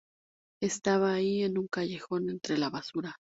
Estaba ahí, en un callejón, entre la basura.